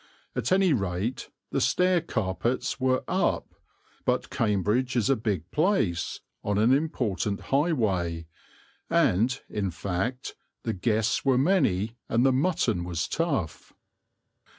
At any rate, the stair carpets were "up"; but Cambridge is a big place, on an important highway, and, in fact, the guests were many and the mutton was tough.